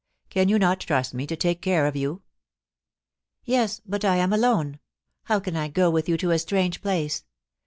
Can you not trust me to take care of you ?Yes, but I am alone. How can I go with you to a strange place